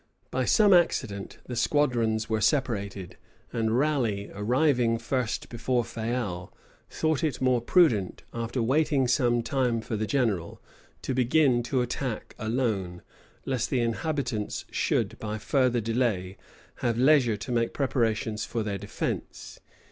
By some accident, the squadrons were separated; and Raleigh, arriving first before Fayal, thought it more prudent, after waiting some time for the general, to begin the attack alone, lest the inhabitants should, by further delay, have leisure to make preparations for their defence.